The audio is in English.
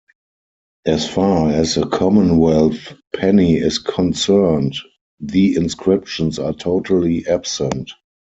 As far as the Commonwealth penny is concerned, the inscriptions are totally absent.